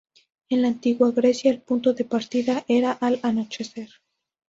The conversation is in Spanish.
En la Antigua Grecia, el punto de partida era al anochecer.